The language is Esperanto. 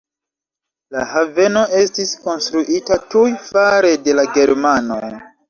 La haveno estis konstruita tuj fare de la germanoj.